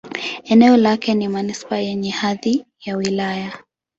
Eneo lake ni manisipaa yenye hadhi ya wilaya.